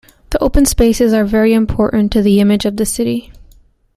The open spaces are very important to the image of the city.